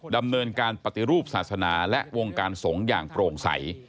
ดำเนินการปฏิรูปศาสนาและวงการสงฆ์อย่างโปร่งใส